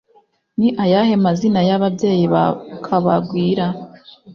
Ni ayahe mazina yababyeyi ba kabagwira